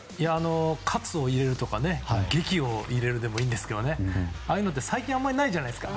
活を入れるとかげきを入れるでもいいんですけどああいうのって最近あまりないじゃないですか。